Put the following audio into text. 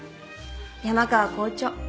山川校長